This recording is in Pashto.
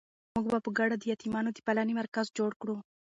موږ به په ګډه د یتیمانو د پالنې مرکز جوړ کړو.